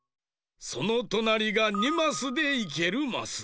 そのとなりが２マスでいけるマス。